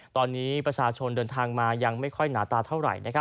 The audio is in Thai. ตอนนี้ประชาชนเดินทางมายังไม่ค่อยหนาตาเท่าไหร่